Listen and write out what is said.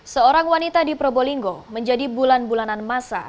seorang wanita di probolinggo menjadi bulan bulanan masa